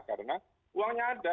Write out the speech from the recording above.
karena uangnya ada